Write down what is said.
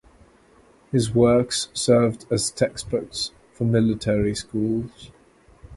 His works served as textbooks for military schools.